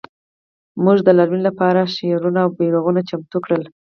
موږ د لاریون لپاره شعارونه او بیرغونه چمتو کړل